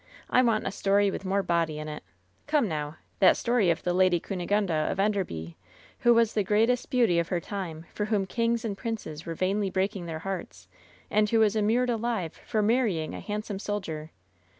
I want a story with more body in it. Come, now, that story of the Lady Cunigunda of Enderby, who was the greatest beauty of her time, for whom kings and princes were vainly breaking their hearts, and who was immured alive for marrying a handsome soldier.